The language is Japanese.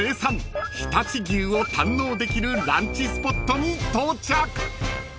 常陸牛を堪能できるランチスポットに到着］